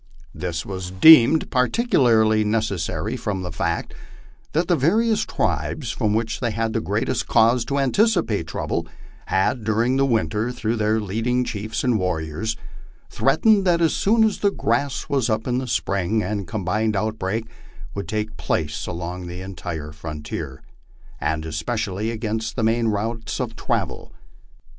This was deemed r:irticularly necessary from the fact that the various trihes from which we had greatest cause to anticipate trouble had dur ing the winter, through their leading chiefs and warriors, threatened that as soon as the grass was up in spring a combined outbreak would take place along our entire frontier, and especially against the main routes of travel.